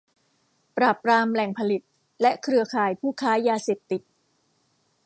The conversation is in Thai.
ปราบปรามแหล่งผลิตและเครือข่ายผู้ค้ายาเสพติด